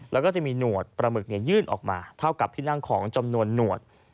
แล้วก็จะมีหนวดปลาหมึกยื่นออกมาเท่ากับที่นั่งของจำนวนหนวด